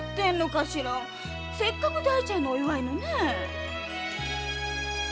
せっかくの大ちゃんのお祝いなのに。